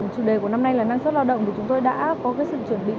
chủ đề của năm nay là năng suất lao động thì chúng tôi đã có sự chuẩn bị